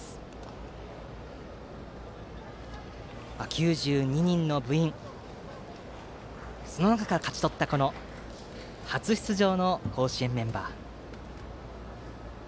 ９２人の部員の中から勝ち取った初出場の甲子園メンバー。